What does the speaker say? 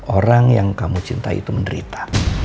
orang yang kamu cintai itu menderita